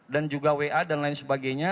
dan juga wa dan lain sebagainya